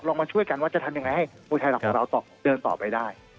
มาช่วยกันว่าจะทำยังไงให้มวยไทยหลักของเราเดินต่อไปได้